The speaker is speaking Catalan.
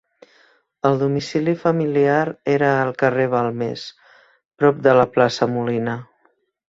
El domicili familiar era al carrer Balmes, prop de la plaça Molina.